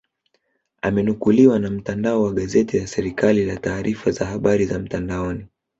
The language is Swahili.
Amenukuliwa na mtandao wa gazeti la serikali la taarifa za habari za mtandaoni